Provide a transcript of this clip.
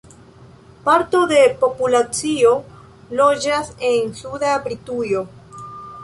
Parto de populacio loĝas en suda Britujo.